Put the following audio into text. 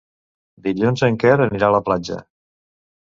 Dilluns en Quer anirà a la platja.